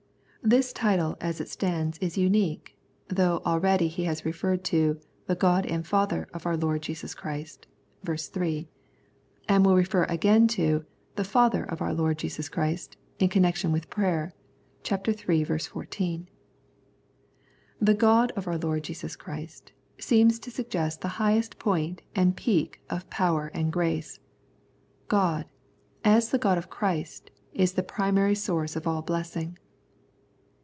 This title as it stands is unique, though al ready he has referred to " the God and Father of our Lord Jesus Christ " (ver. 3), and will refer again to " the Father of our Lord Jesus Christ " in connection with prayer (ch. iii. 14). " The God of our Lord Jesus Christ " seems to suggest the highest point and peak of power and grace. God, as the God of Christ, is the primary source of all blessing.